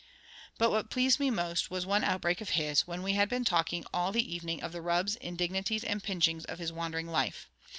But what pleased me most was one outbreak of his, when we had been talking all the evening of the rubs, indignities, and pinchings of his wandering life.